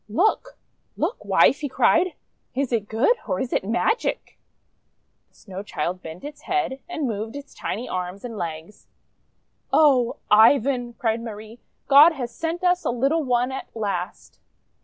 "Look! Look, Wife!" he cried. "Is it good, or is it magic?5 The Snow Child bent its head, and moved its tiny arms and legs. "Oh! Ivan!" cried Marie. "God has sent us a little one at last!'